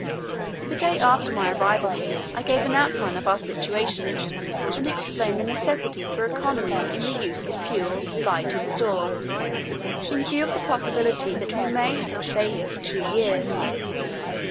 The day after my arrival here I gave an outline of our situation and explained the necessity for economy in the use of fuel, light, and stores, in view of the possibility that we may have to stay here for two years....